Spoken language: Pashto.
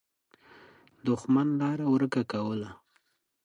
دښمن لاره ورکه کوله.